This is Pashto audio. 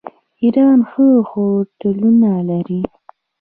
ایران ښه هوټلونه لري.